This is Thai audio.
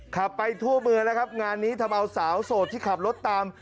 ขับไปทั่วเมืองแล้วครับงานนี้ทำเอาสาวโสดที่ขับรถตาม